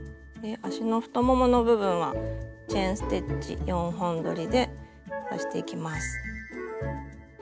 足の太ももの部分はチェーン・ステッチ４本どりで刺していきます。